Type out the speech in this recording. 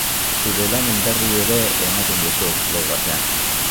Zure lanen berri ere ematen duzu, blog batean.